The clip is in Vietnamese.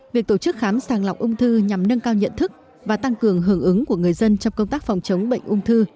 việc tổ chức khám sàng lọc ung thư nhằm nâng cao nhận thức và tăng cường hưởng ứng của người dân trong công tác phòng chống bệnh ung thư